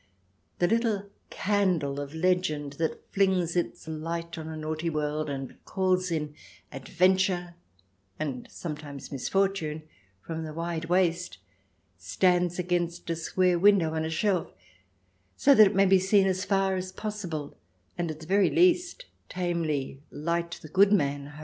The little candle of legend that flings its light on a naughty world, and calls in adventure, and sometimes mis fortune, from the wide waste, stands against a square window on a shelf, so that it may be seen as far as possible, and at the very least tamely light the goodman home.